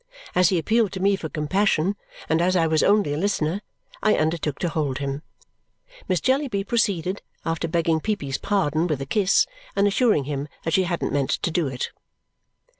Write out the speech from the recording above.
As he appealed to me for compassion, and as I was only a listener, I undertook to hold him. Miss Jellyby proceeded, after begging Peepy's pardon with a kiss and assuring him that she hadn't meant to do it.